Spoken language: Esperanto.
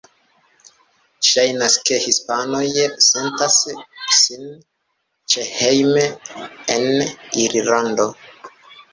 Ŝajnas, ke hispanoj sentas sin ĉehejme en Irlando.